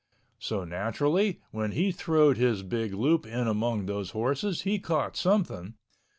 So naturally, when he throwed his big loop in among those horses he caught something.